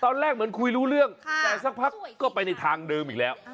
ตอนแรกเหมือนคุยรู้เรื่องแต่สักพักก็ไปในทางเดิมอีกแล้ว